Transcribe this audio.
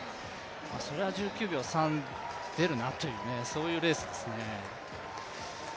それは１９秒３出るなという、レースですよね。